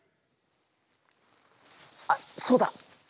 あっそうだ！